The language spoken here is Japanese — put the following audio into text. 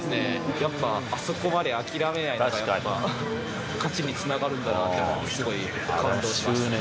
やっぱ、あそこまで諦めないのが、やっぱ勝ちにつながるんだなって、すごい感動しましたね。